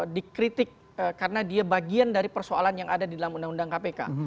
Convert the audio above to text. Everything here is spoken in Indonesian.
dikritik karena dia bagian dari persoalan yang ada di dalam undang undang kpk